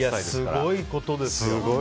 すごいことですよ。